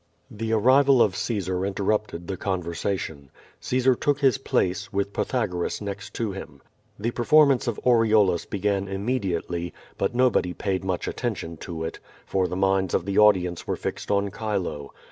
The arrival of Caesar interrupted the conversation. Caesar took his place, with Pythagoras next to him. The perform ance of "Aureolus" began innuediately, but nobody paid much attention to it, for the minds of the audience were fixed on Chilo.